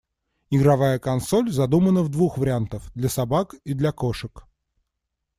Игровая консоль задумана в двух вариантах — для собак и для кошек.